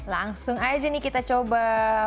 langsung aja nih kita coba